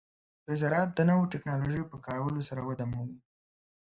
د زراعت د نوو ټکنالوژیو په کارولو سره وده مومي.